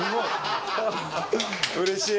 うれしい。